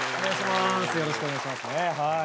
よろしくお願いしますねはい。